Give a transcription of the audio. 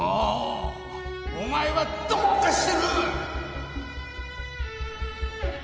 お前はどうかしてる！